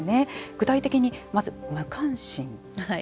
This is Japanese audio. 具体的に、まず無関心。